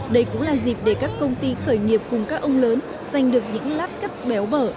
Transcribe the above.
đây cũng là dịp để các công ty khởi nghiệp cùng các ông lớn giành được những lát cắt béo bở